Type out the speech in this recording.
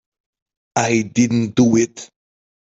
I didn't do it.